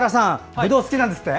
ぶどう好きなんですって。